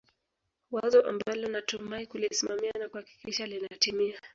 wazo ambalo natumai kulisimamia na kuhakikisha linatimia